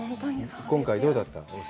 今回どうだった？